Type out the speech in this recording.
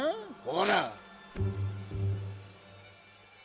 ほら。